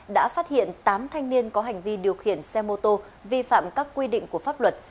đã phát hiện tám thanh niên có hành vi điều khiển xe mô tô vi phạm các quy định của pháp luật